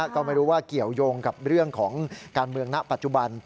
ก็ไม่รู้ว่าเกี่ยวยงกับเรื่องของการเมืองณปัจจุบัน